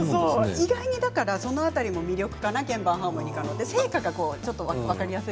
意外とその辺りの魅力かな鍵盤ハーモニカの成果が分かりやすい。